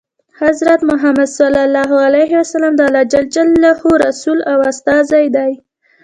حضرت محمد ﷺ د الله ﷻ رسول او استازی دی.